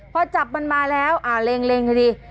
พอจับมันมาแล้วอ่าเร็งดิ